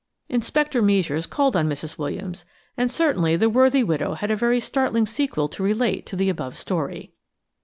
Inspector Meisures called on Mrs. Williams, and certainly the worthy widow had a very startling sequel to relate to the above story.